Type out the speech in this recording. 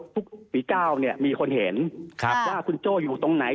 ฝีก้าวเนี่ยมีคนเห็นว่าคุณโจ้อยู่ตรงไหน